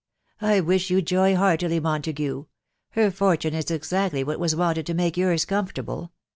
I wish you Joy heartily, Montague .... Her fortune jb •exactly what was wanted to make yours comfortable.